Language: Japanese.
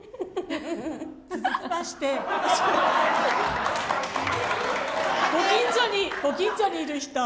続きまして、ご近所にいる人。